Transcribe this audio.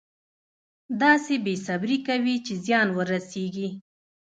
داسې بې صبري کوي چې زیان ورسېږي.